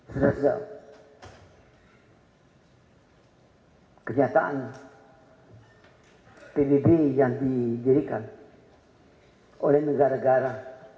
sebenarnya kenyataan pbb yang didirikan oleh negara negara